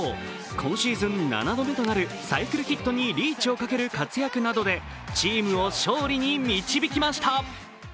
今シーズン７度目となるサイクルヒットにリーチをかける活躍などでチームを勝利に導きました。